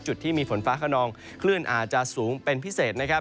จุดที่มีฝนฟ้าขนองคลื่นอาจจะสูงเป็นพิเศษนะครับ